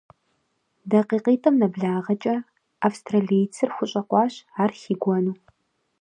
ДакъикъитӀым нэблагъэкӀэ австралийцыр хущӀэкъуащ ар хигуэну.